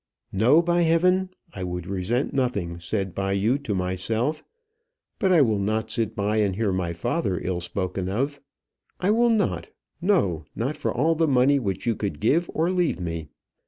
"No, by heaven! I would resent nothing said by you to myself; but I will not sit by and hear my father ill spoken of. I will not no; not for all the money which you could give or leave me.